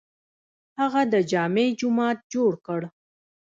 هغه د جامع جومات جوړ کړ.